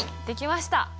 できました！